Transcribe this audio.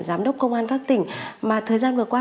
giám đốc công an các tỉnh mà thời gian vừa qua